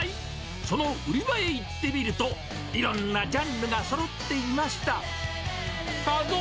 その売り場へ行ってみると、いろんなジャンルがそろっていました。